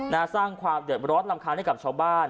นะสร้างความเดือดรอดหลังคาดให้กับชาวบ้าน